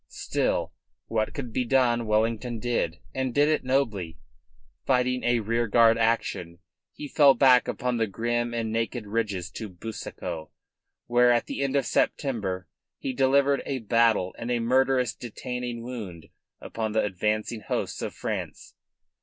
Still, what could be done Wellington did, and did it nobly. Fighting a rearguard action, he fell back upon the grim and naked ridges of Busaco, where at the end of September he delivered battle and a murderous detaining wound upon the advancing hosts of France.